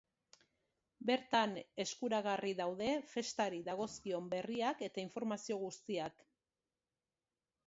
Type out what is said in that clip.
Bertan eskuragarri daude festari dagozkion berriak eta informazio guztiak.